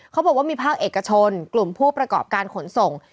เขาบอกว่ามีภาคเอกชนกลุ่มผู้ประกอบการขนส่ง